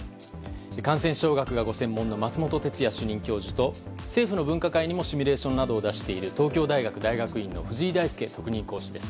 感染症学がご専門の松本哲哉主任教授と政府の分科会にもシミュレーションなどを出している東京大学大学院の藤井大輔特任講師です。